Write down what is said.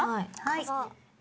はい。